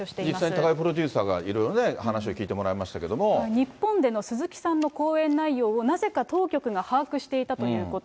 実際、高井プロデューサーがいろいろね、話を聞いてもらいま日本での鈴木さんの講演内容を、なぜか当局が把握していたということ。